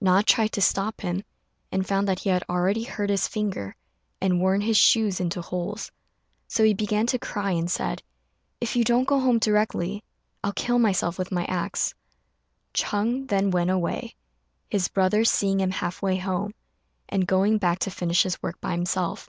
Na tried to stop him, and found that he had already hurt his finger and worn his shoes into holes; so he began to cry, and said, "If you don't go home directly, I'll kill myself with my axe." Ch'êng then went away, his brother seeing him half way home, and going back to finish his work by himself.